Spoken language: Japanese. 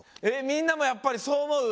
みんなもやっぱりそうおもう？